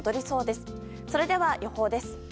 それでは予報です。